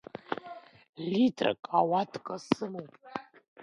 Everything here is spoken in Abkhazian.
Литрак ауатка сымоуп.